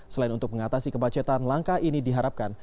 selain untuk mengatasi kemacetan langkah ini diharapkan